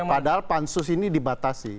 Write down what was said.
padahal pansus ini dibatasi